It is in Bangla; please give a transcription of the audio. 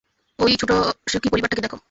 ওই ছোট সুখী পরিবারটাকে দেখ।